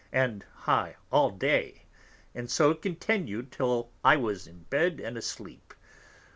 and high all Day, and so continued till I was in Bed and asleep.